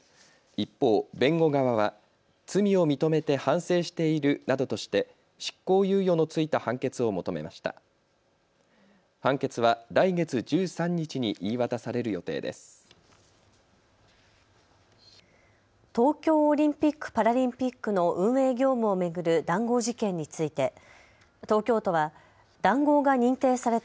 一方、弁護側は罪を認めて反省しているなどとして執行猶予の付いた判決を求めました。